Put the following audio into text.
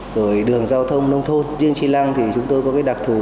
rồi đường giao thông nông thôn riêng trí lăng thì chúng tôi có đặc thủ